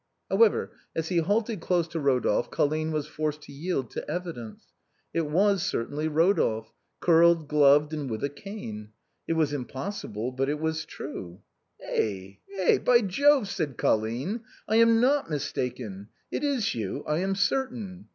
However, as he halted close to Rodolphe, Colline was forced to yield to evidence. It was certainly Rodolphe, curled, gloved, and with a cane. It was impossible, but it was true. " Eh ! eh ! by Jove !" said Colline. " I am not mistaken. It is you, I am certain."